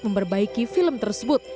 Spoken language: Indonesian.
memperbaiki film tersebut